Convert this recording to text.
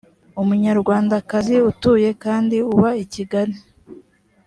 umunyarwandakazi utuye kandi uba i kigali